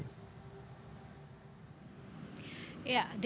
paksa mantan ketua dprd surabaya wisnu wardana pada rabu pagi